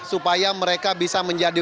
supaya mereka bisa mengembangkan